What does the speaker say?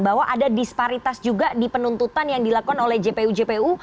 bahwa ada disparitas juga di penuntutan yang dilakukan oleh jpu jpu